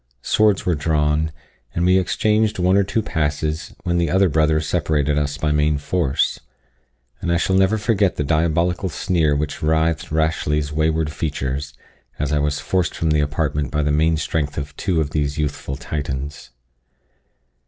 Swords were drawn, and we exchanged one or two passes, when the other brothers separated us by main force; and I shall never forget the diabolical sneer which writhed Rashleigh's wayward features, as I was forced from the apartment by the main strength of two of these youthful Titans.